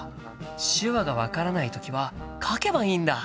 手話が分からない時は書けばいいんだ！